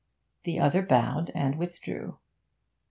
The other bowed and withdrew.